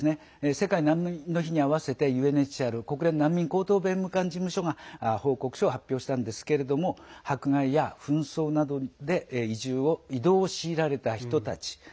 世界難民の日にあわせてＵＮＨＣＲ＝国連難民高等弁務官事務所が報告書を発表したんですけど迫害や紛争などで移住、移動を強いられた人たち。